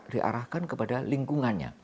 diarahkan kepada lingkungannya